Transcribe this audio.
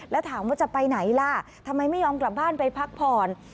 แล้วถามว่าจะไปไหนล่ะทำไมไม่ยอมกลับบ้านไปพักผ่อน